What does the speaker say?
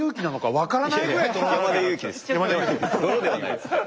泥ではないですから。